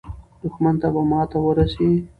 دښمن ته به ماته ورسي.